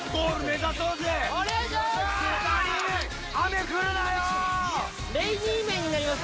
お願いします！